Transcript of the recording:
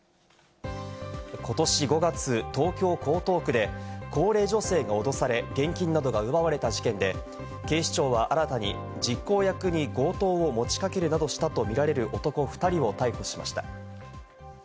ことし５月、東京・江東区で高齢女性が脅され、現金などが奪われた事件で、警視庁は新たに実行役に強盗を持ちかけるなどしたとみられる男２人を逮捕しました。